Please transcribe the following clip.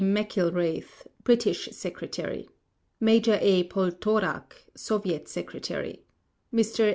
McILWRAITH British Secretary MAJOR A. POLTORAK Soviet Secretary MR.